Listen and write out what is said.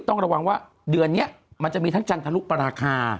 ต้องระวังว่าเดือนนี้มันจะมีทั้งจันทรุปราคา